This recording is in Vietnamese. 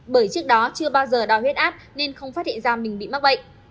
bởi trước đó chưa bao giờ đo huyết áp nên không phát hiện ra mình bị mắc bệnh